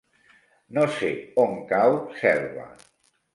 No sé on cau Selva.